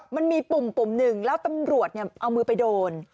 มันมีปุ่มปุ่มหนึ่งแล้วตำรวจเอามือไปโดน